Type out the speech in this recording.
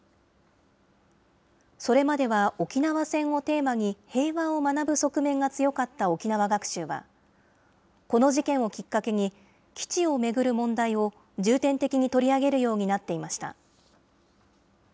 それまでは沖縄戦をテーマに、平和を学ぶ側面が強かった沖縄学習は、この事件をきっかけに、基地を巡る問題を重点的に取り上げるようになっていました。